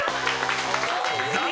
［残念。